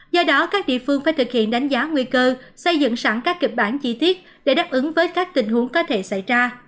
do đó các địa phương phải thực hiện đánh giá nguy cơ xây dựng sẵn các kịch bản chi tiết để đáp ứng với các tình huống có thể xảy ra